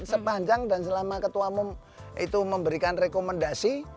sepanjang dan selama ketua umum itu memberikan rekomendasi